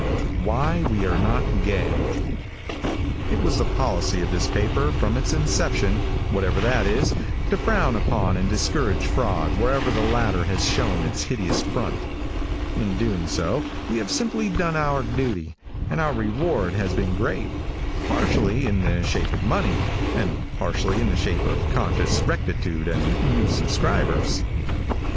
WHY WE ARE NOT GAY. |IT was the policy of this paper, from its inception, whatever that is, to frown upon and discourage fraud wherever the latter has shown its hideous front. In doing so, we have simply done our duty, and our reward has been great, partially in the shape of money, and partially in the shape of conscious rectitude and new subscribers.